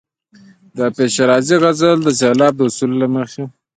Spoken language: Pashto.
د حافظ شیرازي غزل د سېلاب د اصولو له مخې.